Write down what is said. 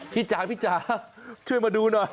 จ๋าพี่จ๋าช่วยมาดูหน่อย